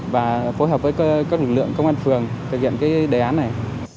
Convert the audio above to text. và phối hợp với các lực lượng công an phường thực hiện đề án này